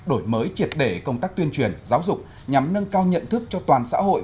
đổi mới triệt để công tác tuyên truyền giáo dục nhằm nâng cao nhận thức cho toàn xã hội